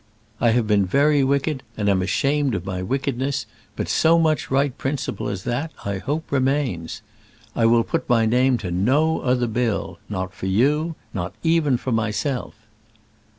I have been very wicked, and am ashamed of my wickedness; but so much right principle as that, I hope, remains. I will put my name to no other bill; not for you, not even for myself."